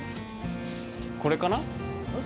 これかな？